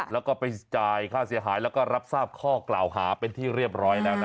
แล้วก็ไปจ่ายค่าเสียหายแล้วก็รับทราบข้อกล่าวหาเป็นที่เรียบร้อยแล้วนะ